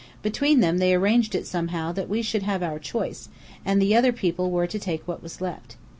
Between them, they arranged it somehow that we should have our choice, and the other people were to take what was left.